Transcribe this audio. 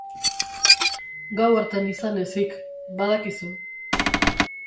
Gau hartan izan ezik, badakizu...